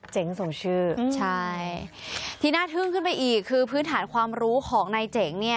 เจ๋งส่งชื่อใช่ที่น่าทึ่งขึ้นไปอีกคือพื้นฐานความรู้ของนายเจ๋งเนี่ย